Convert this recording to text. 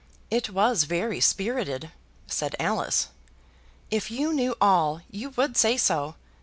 "It was very spirited," said Alice. "If you knew all, you would say so.